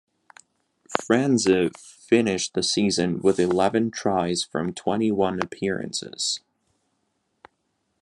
Franze finished the season with eleven tries from twenty-one appearances.